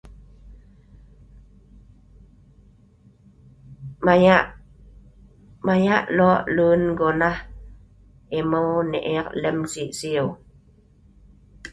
Maya maya lo’ leun gonah imeu ne ek lem si siu.